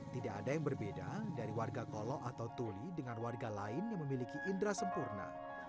tidak ada yang berbeda dari warga kolo atau tuli dengan warga lain yang memiliki indera sempurna